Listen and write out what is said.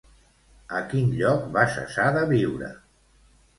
A quin lloc va cessar de viure?